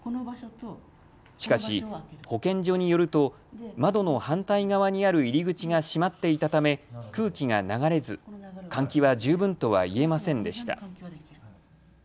しかし保健所によると窓の反対側にある入り口が閉まっていたため空気が流れず換気は十分とはいえませんでした。